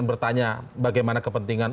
bertanya bagaimana kepentingan